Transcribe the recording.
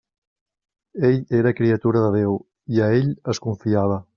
Ell era criatura de Déu, i a Ell es confiava.